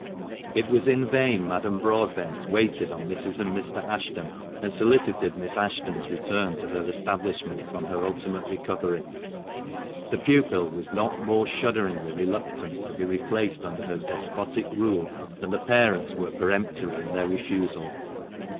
T was in vain Madame Broadbent waited on Mrs. and Mr. Ashton and solicited Miss Ashton's return to her establishment on her ultimate recovery. The pupil was not more shudderingly reluctant to be replaced under her despotic rule than the parents were peremptory in their refusal.